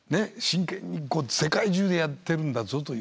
真剣に世界中でやってるんだぞということを。